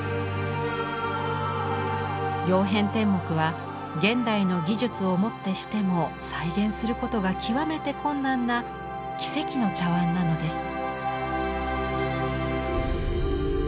「曜変天目」は現代の技術をもってしても再現することが極めて困難な奇跡の茶碗なのです。